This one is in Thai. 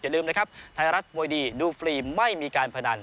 ลืมนะครับไทยรัฐมวยดีดูฟรีไม่มีการพนัน